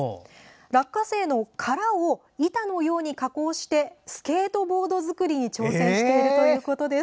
落花生の殻を板のように加工してスケートボード作りに挑戦しているということです。